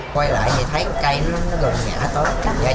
quay lại thì thấy cây nó gần nhả tới